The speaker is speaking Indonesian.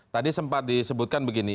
tadi sempat disebutkan begini